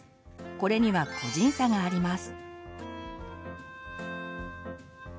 これには個人差があります。